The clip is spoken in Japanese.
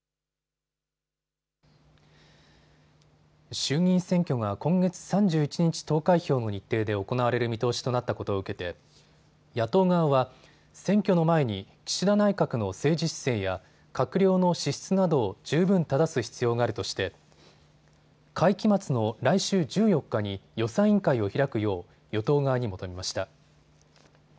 衆議院選挙が今月３１日投開票の日程で行われる見通しとなったことを受けて野党側は選挙の前に岸田内閣の政治姿勢や閣僚の資質などを十分ただす必要があるとして会期末の来週１４日に予算委員会を開くよう与党側に求めました。